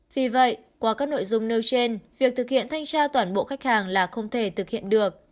vì vậy qua các nội dung nêu trên việc thực hiện thanh tra toàn bộ khách hàng là không thể thực hiện được